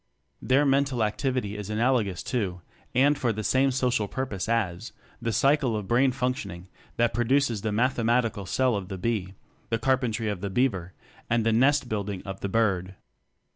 Their mental activity is analogous to and for the same social purpose as the cycle of brain functioning that pro duces the mathematical cell of the bee, the carpentry of the beaver, and the nest building of the bird.